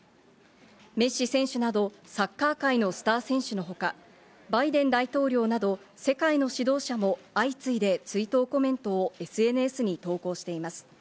メッシ選手などサッカー界のスター選手のほか、バイデン大統領など世界の指導者も相次いで追悼コメントをＳＮＳに投稿しています。